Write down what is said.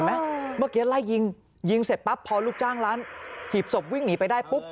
เมื่อกี้ร้านล้ายยิงเสร็จปั๊บพอรู๊คจ้างล้านหีบศพวิ่งหนีไปได้บุ๊บ